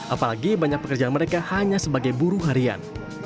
apalagi banyak pekerjaan mereka hanya sebagai buruh harian